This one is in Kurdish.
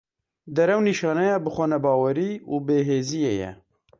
Derew, nîşaneya bixwenebawerî û bêhêziyê ye.